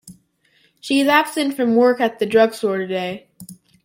She is absent from work at the drug store today.